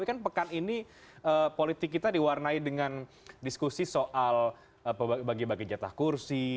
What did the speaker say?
karena ini politik kita diwarnai dengan diskusi soal bagi bagi jatah kursi